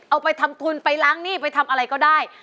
เอาไปทำทุนไปล้างหนี้ไปทำอะไรก็ได้